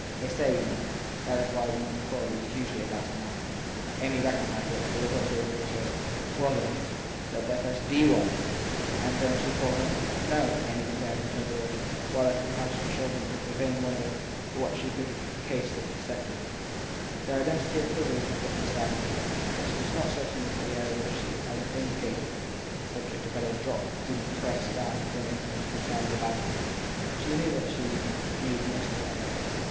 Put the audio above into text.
t They say, you know, that when women do quarrel it s usually about a man. 7 Amy recognised it, but also with a reserve. Well, then, let there first be one ! And don t you call him ? No ! Amy declared and turned away, while her companion showed her a vain wonder for what she could in that case have expected. Their identity of privilege was thus established, but it is not certain that the air with which she indicated that the subject had better drop didn t press down for an instant her side of the balance. She knew that she knew most about men.